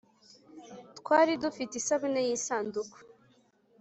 twari dufite isabune yisanduku.